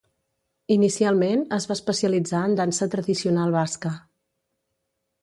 Inicialment es va especialitzar en dansa tradicional basca.